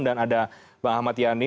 dan ada bang ahmad yani